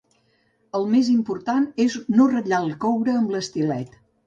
El més important és no ratllar el coure amb l'estilet.